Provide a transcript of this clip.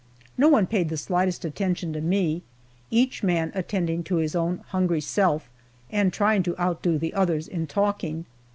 No one paid the slightest attention to me, each man attending to his own hungry self and trying to outdo the others in talking.